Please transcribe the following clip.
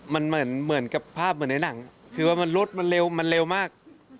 มันเหมือนกับภาพเหมือนในหลังคือว่ารถมันเร็วมันเร็วมาก